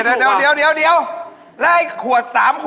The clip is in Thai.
อันนี้ถูกกว่า